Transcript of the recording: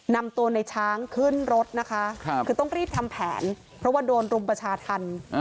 นำตัวในช้างขึ้นรถนะคะคือต้องรีบทำแผนเพราะว่าโดนรุมประชาธรรม